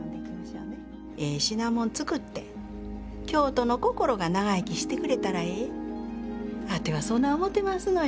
ええ品物作って京都の心が長生きしてくれたらええあてはそな思てますのや。